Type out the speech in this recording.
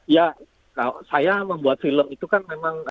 ya saya membuat film itu kan memang